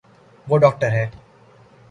وہ داکٹر ہے